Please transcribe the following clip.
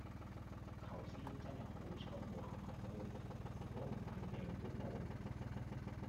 求先真喺好彩冇行埋去如果唔喺命都冇